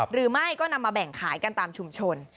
หรือไม่ก็นำมาแบ่งขายกันตามชุมชน